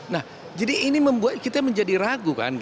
nah jadi ini membuat kita menjadi ragu kan